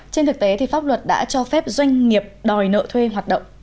trên thực tế thì pháp luật đã cho phép doanh nghiệp đòi nợ thuê hoạt động